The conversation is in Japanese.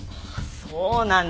そうなんだ。